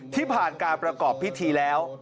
ที่ผ่านการประกอบพิธีแล้ว